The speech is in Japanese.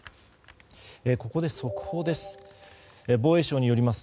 ここで速報です。